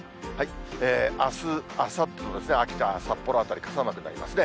あす、あさって、秋田、札幌辺りは傘マークになりますね。